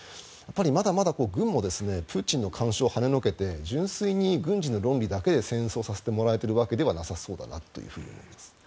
まだまだ軍もプーチンの干渉を跳ねのけて純粋に軍事の論理だけで戦争をさせてもらえているわけではなさそうだと思います。